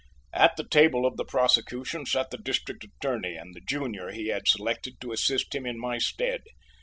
At the table of the prosecution sat the District Attorney and the junior he had selected to assist him in my stead.